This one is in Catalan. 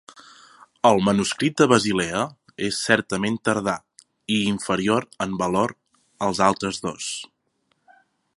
El manuscrit de Basilea és certament tardà i inferior en valor als altres dos.